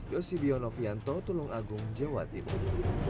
yosibio novianto tulungagung jawa timur